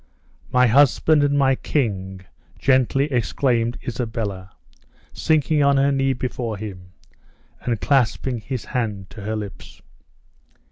"My husband, and my king!" gently exclaimed Isabella, sinking on her knee before him, and clasping his hand to her lips.